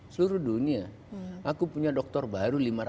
seluruh dunia aku punya dokter baru